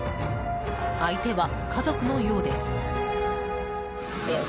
相手は家族のようです。